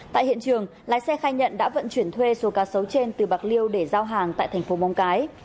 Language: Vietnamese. tại hiện trường lái xe khai nhận đã vận chuyển thuê số cá sấu trên từ bạc liêu để giao hàng tại thành phố móng cái